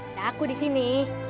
ada aku disini